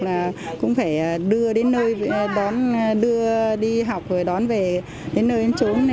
và cũng phải đưa đến nơi đón đưa đi học rồi đón về đến nơi trốn